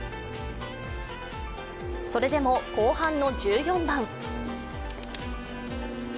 それでも後半の１４番。